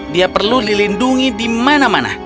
dia perlu dilindungi di mana mana